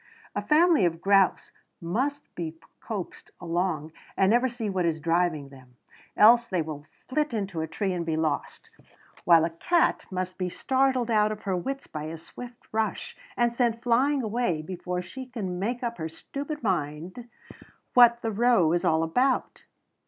A family of grouse must be coaxed along and never see what is driving them, else they will flit into a tree and be lost; while a cat must be startled out of her wits by a swift rush, and sent flying away before she can make up her stupid mind what the row is all about.